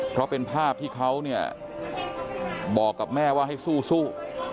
เพราะเป็นภาพที่เขาเนี่ยบอกกับแม่ว่าให้สู้